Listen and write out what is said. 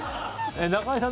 中居さん